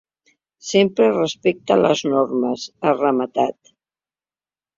Sempre, respecte a les normes, ha rematat.